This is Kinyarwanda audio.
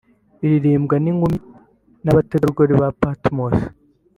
iririmbwa n’inkumi n’abategarugori ba Patmos